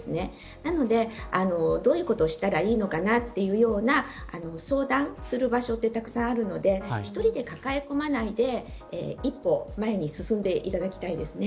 なのでどういうことをしたらいいのかなというような相談する場所ってたくさんあるので一人で抱え込まないで一歩前に進んでいただきたいですね。